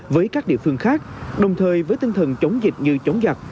với các địa phương khác đồng thời với tinh thần chống dịch như chống giặc